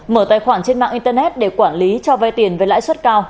mở tài khoản trên mạng internet để quản lý cho vay tiền với lãi suất cao